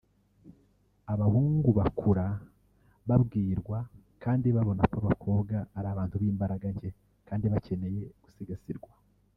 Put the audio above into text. Abahungu bakura babwirwa kandi babona ko abakobwa ari abantu b’imbaraga nke kandi bakeneye gusigasirwa